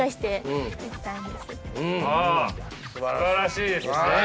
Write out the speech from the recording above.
すばらしいですね。